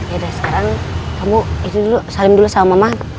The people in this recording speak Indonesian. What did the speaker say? ya udah sekarang kamu salim dulu sama mama